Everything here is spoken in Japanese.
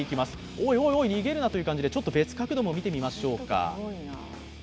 おいおいおい逃げるなという感じで別角度から見てみましょうか。